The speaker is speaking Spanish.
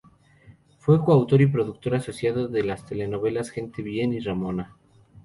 Fue coautor y productor asociado de las telenovelas "Gente Bien" y "Ramona".